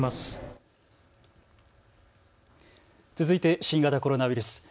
続いて新型コロナウイルス。